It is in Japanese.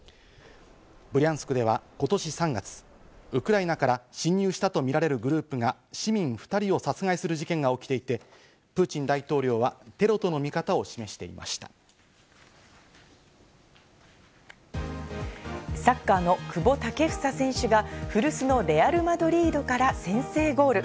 ブリャンスクでは今年３月、ウクライナから侵入したとみられるグループが市民２人を殺害する事件が起きていて、プーチン大統領はテロとのサッカーの久保建英選手が古巣のレアル・マドリードから先制ゴール。